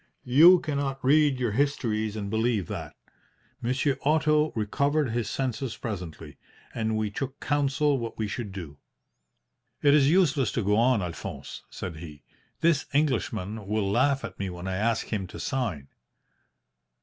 You cannot read your histories and believe that. Monsieur Otto recovered his senses presently, and we took counsel what we should do. "'It is useless to go on, Alphonse,' said he. 'This Englishman will laugh at me when I ask him to sign.'